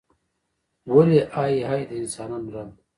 ولې ای ای د انسانانو ربه.